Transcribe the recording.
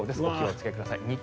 お気をつけください。